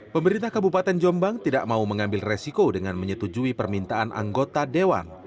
pemerintah kabupaten jombang tidak mau mengambil resiko dengan menyetujui permintaan anggota dewan